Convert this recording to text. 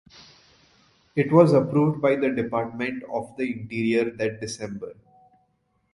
It was approved by the Department of the Interior that December.